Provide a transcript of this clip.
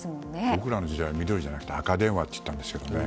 僕らの時代は緑じゃなくて赤電話って言ったんですけどね。